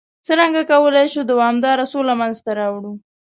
څرنګه کولای شو دوامداره سوله منځته راوړ؟